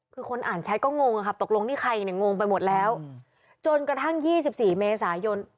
คือคนอ่านแชทก็งงนะครับตกลงนี่ใครเนี่ยงงไปหมดแล้วจนกระทั่ง๒๔เมษายน